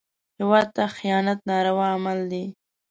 هېواد ته خیانت ناروا عمل دی